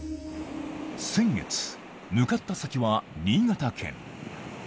先月、向かった先は新潟県。